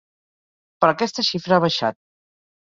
Però aquesta xifra ha baixat.